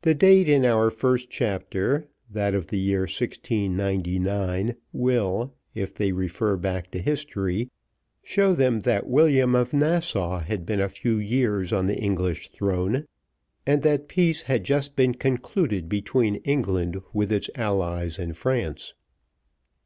The date in our first chapter, that of the year 1699, will, if they refer back to history, show them that William of Nassau had been a few years on the English throne, and that peace had just been concluded between England with its allies and France.